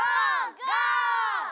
ゴー！